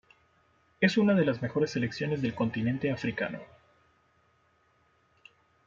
Es una de las mejores selecciones del continente Africano.